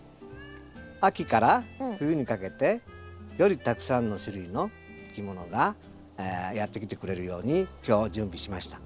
秋から冬にかけてよりたくさんの種類のいきものがやって来てくれるように今日準備しました。